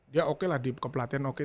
dia oke lah di kepelatihan oke